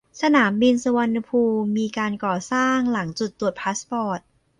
สนามบินสุรรณภูมิมีการก่อสร้างหลังจุดตรวจพาสปอร์ต